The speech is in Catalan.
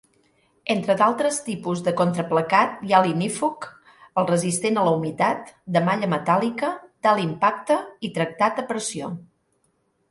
Entre d'altres tipus de contraplacat hi ha l'ignífug, el resistent a la humitat, de malla metàl·lica, d'alt impacte i tractat a pressió.